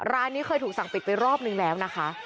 ร้านนี้เคยถูกสั่งปิดไปรอบนึงแล้วนะคะ